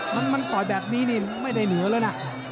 มันต่อยแบบนี้นี่ไม่ได้เหนือแล้วนะ